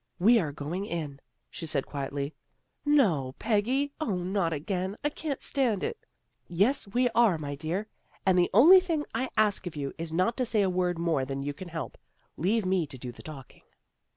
" We are going in," she said quietly. " No, Peggy. 0, not again! I can't stand it." " Yes, we are, my dear. And the only thing I ask of you is not to say a word more than you can help. Leave me to do the talking."